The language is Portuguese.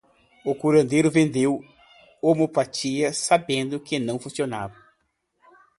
O curandeiro vendeu homeopatia sabendo que não funcionava